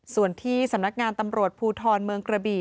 ส่วนที่สำนักงานตำรวจภูทรเมืองกระบี่